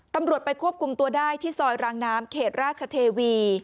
ตำรวจไปควบคุมตัวได้ที่ซอยรางน้ำเขตราชเทวี